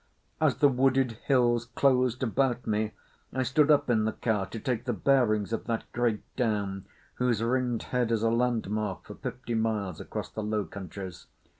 As the wooded hills closed about me I stood up in the car to take the bearings of that great Down whose ringed head is a landmark for fifty miles across the low countries.